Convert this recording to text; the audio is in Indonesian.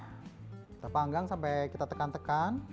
kita panggang sampai kita tekan tekan